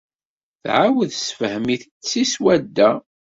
Tɛawed tessefhem-t-id seg swadda.